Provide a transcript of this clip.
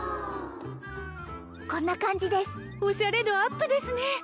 こんな感じですおしゃれ度アップですね